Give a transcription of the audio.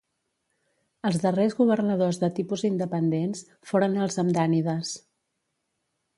Els darrers governadors de tipus independents foren els hamdànides.